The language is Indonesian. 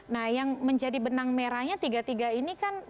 nah yang menjadi benang merahnya tiga tiga ini kan